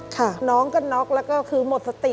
น้องก็น็อกแล้วก็คือหมดสติ